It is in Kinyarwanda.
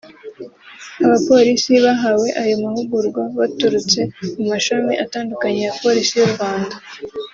Abapolisi bahawe ayo mahugurwa baturutse mu mashami atandukanye ya Polisi y’u Rwanda